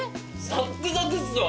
サックサクっすわ